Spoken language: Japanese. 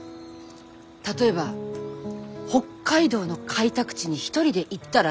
例えば「北海道の開拓地に一人で行ったら」